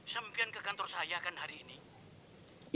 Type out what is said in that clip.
sempian ke kantor saya kan hari ini